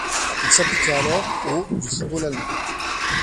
Il s'appliqua alors au du football allemand.